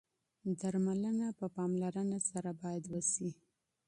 درملنه په احتیاط سره باید وشي.